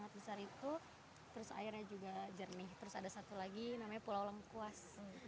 terus ada satu lagi namanya pulau lengkuas